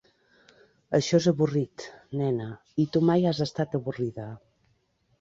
Això és avorrit, nena, i tu mai has estat avorrida.